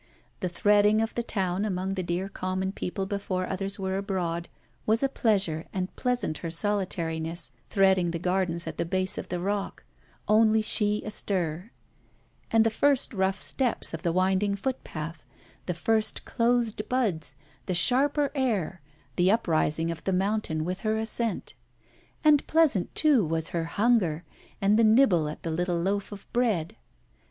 The threading of the town among the dear common people before others were abroad, was a pleasure and pleasant her solitariness threading the gardens at the base of the rock, only she astir; and the first rough steps of the winding footpath, the first closed buds, the sharper air, the uprising of the mountain with her ascent; and pleasant too was her hunger and the nibble at a little loaf of bread.